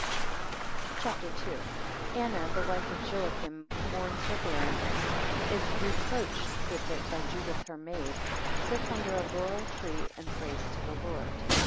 CHAPTER. II. 1 Anna, the wife of Joachim mourns her barrenness, 6 is reproached with it by Judith her maid, 9 sits under a laurel tree and prays to the Lord.